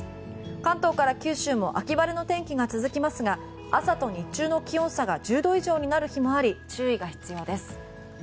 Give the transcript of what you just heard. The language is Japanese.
関東から九州も秋晴れの天気が続きますが朝の日中の気温差が１０度以上になる日もあり注意が必要です。